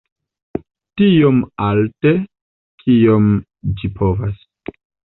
Tiom alte, kiom ĝi povas.